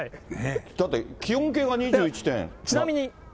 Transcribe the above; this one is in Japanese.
だって、気温計が２１度。